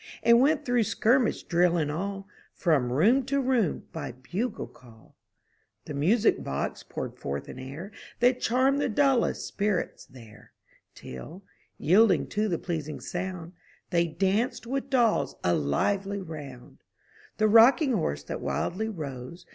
And went through skirmish drill and all, From room to room by bugle call. 60 UP ONE PAIR OF STAIRS The music box poured forth an air That charmed the dullest spirits there, Till, yielding to the pleasing sound, They danced with dolls a lively round. The rocking horse that wildly rose.